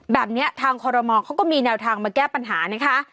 แบบนี้ทางคอรมอลเขาก็มีแนวทางมาแก้ปัญหานะคะ